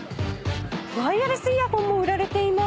ワイヤレスイヤホンも売られています。